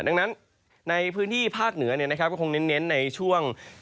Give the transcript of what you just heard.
ดังนั้นในพื้นที่ภาคเหนือก็คงเน้นในช่วง